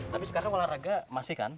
tapi sekarang olahraga masih kan